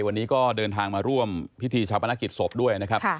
วันนี้ก็เดินทางมาร่วมพิธีชาปนกิจศพด้วยนะครับ